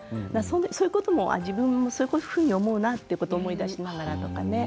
そういうことも自分もそういうふうに思うなっていうことを思い出しながらとかね。